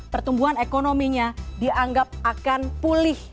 pertumbuhan ekonominya dianggap akan pulih